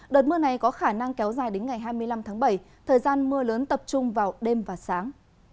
đợt mưa này có khả năng kéo dài đến ngày hai mươi năm tháng bảy thời gian mưa lớn tập trung vào đêm và sáng